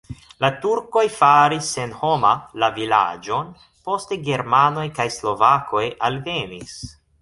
La turkoj faris senhoma la vilaĝon, poste germanoj kaj slovakoj alvenis.